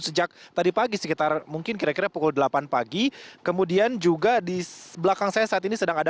sejak tadi pagi sekitar mungkin kira kira pukul delapan pagi kemudian juga di belakang saya saat ini sedang ada